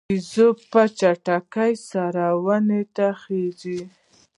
بیزو په چټکۍ سره ونو ته خیژي.